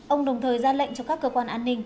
ông đồng thời ra lệnh cho các cơ quan an ninh